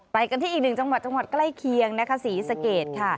ไปกันที่อีกหนึ่งจังหวัดจังหวัดใกล้เคียงนะคะศรีสะเกดค่ะ